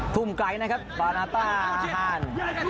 ทุ่มไกลนะครับบานาต้าอาฮาน